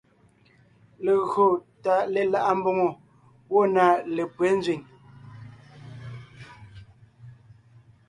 Legÿo tà lelaʼá mbòŋo gwɔ̂ na lépÿɛ́ nzẅìŋ.